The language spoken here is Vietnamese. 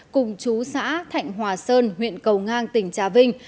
cùng chú xã thạnh hòa sơn huyện cầu ngang tỉnh trà vinh